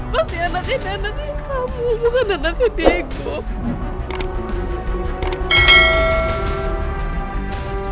pasti anak ini anaknya kamu bukan anaknya diego